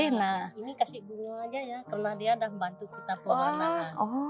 ini kasih bunga saja karena dia sudah membantu kita peluang